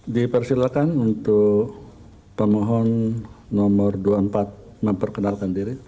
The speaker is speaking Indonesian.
dipersilakan untuk pemohon nomor dua puluh empat memperkenalkan diri